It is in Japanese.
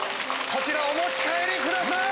こちらお持ち帰りください！